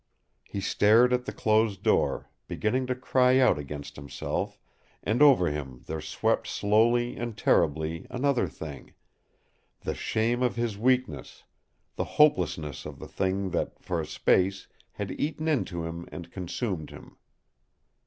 He stared at the closed door, beginning to cry out against himself, and over him there swept slowly and terribly another thing the shame of his weakness, the hopelessness of the thing that for a space had eaten into him and consumed him.